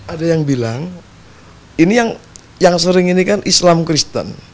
ada yang bilang ini yang sering ini kan islam kristen